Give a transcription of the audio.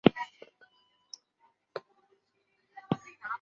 下列是由澳门政府以外的机构所设立的博物馆。